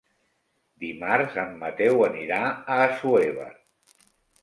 Dimarts en Mateu anirà a Assuévar.